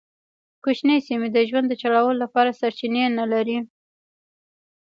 کوچنۍ سیمې د ژوند د چلولو لپاره سرچینې نه لرلې.